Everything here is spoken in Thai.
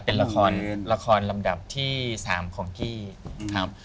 เป็นละครละครลำดับที่๓ของกี้ครับ